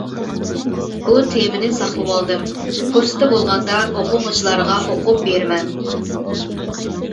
بۇ تېمىنى ساقلىۋالدىم، پۇرسىتى بولغاندا ئوقۇغۇچىلارغا ئوقۇپ بېرىمەن.